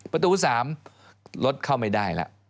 ประตู๓รถเข้าไม่ได้แล้ว